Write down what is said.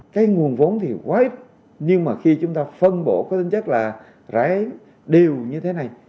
cái nguồn vốn thì quá ít nhưng mà khi chúng ta phân bộ có tính chất là rái đều như thế này